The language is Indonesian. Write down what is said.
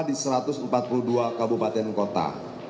di satu ratus empat puluh dua kabupaten kota